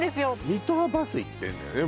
水戸はバス行ってんのよね？